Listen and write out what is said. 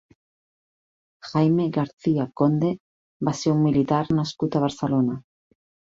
Jaime García Conde va ser un militar nascut a Barcelona.